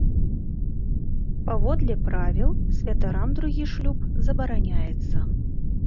Паводле правіл, святарам другі шлюб забараняецца.